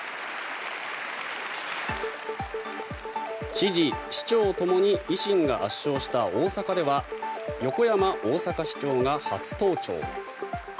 知事、市長ともに維新が圧勝した大阪では横山大阪市長が初登庁。